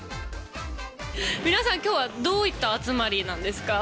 皆さん、きょうはどういった集まりなんですか？